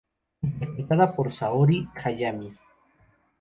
Interpretada por Saori Hayami.